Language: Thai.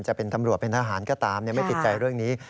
จะเป็นตำรวจเป็นทหารก็ตามไม่ติดใจเรื่องนี้